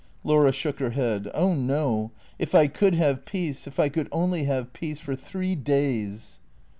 Laura shook her head. " Oh no. If I could have peace ; if I could only have peace, for three days."